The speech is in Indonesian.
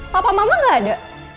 papa mama gak ada